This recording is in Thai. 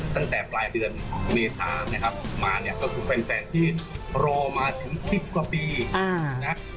ตั้งแต่ปลายเดือนเมษานะครับมาเนี่ยก็คือแฟนที่รอมาถึง๑๐กว่าปีนะ